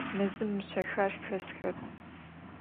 Mezım mışsexer xesxep.